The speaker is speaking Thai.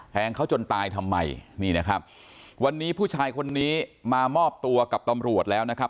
งเขาจนตายทำไมนี่นะครับวันนี้ผู้ชายคนนี้มามอบตัวกับตำรวจแล้วนะครับ